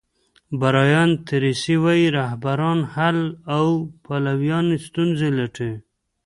برایان تریسي وایي رهبران حل او پلویان ستونزې لټوي.